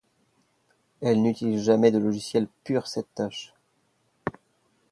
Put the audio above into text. Elle n'utilise jamais de logiciel pur cette tâche.